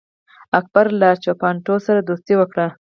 اکبر له راجپوتانو سره دوستي وکړه.